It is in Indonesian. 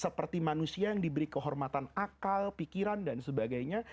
seperti manusia yang diberi kehormatan akal pikiran dan sebagainya